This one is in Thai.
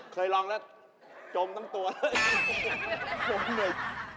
เคยลองแล้วจมทั้งตัวเลยจมเลย